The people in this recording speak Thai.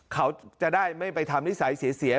เขาจะได้ไม่ไปทำนิสัยเสีย